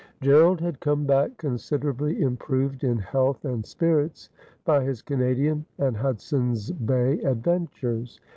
Gerald had come back considerably improved in health and spirits by his Canadian and Hudson's Bay adventures.